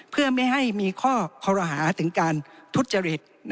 เพื่อไม่ให้มีข้อคอรหาถึงการทุจริต